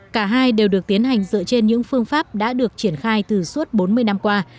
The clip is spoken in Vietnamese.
cả hai đều được tiến hành dựa trên những phương pháp đã được triển khai từ suốt bốn mươi năm qua